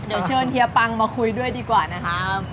เดี๋ยวเชิญเฮียปังมาคุยด้วยดีกว่านะครับ